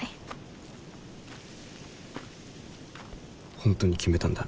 本当に決めたんだな。